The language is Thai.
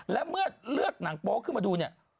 และเมื่อเลือกหนังโป๊ขึ้นมาดูเนี่ย